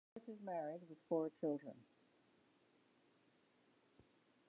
Robert is married with four children.